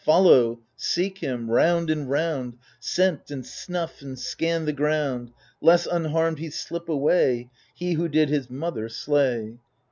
Follow, seek him ^round and roimd Scent and snuff and scan the ground, Lest unharmed he slip away, He who did his mother slay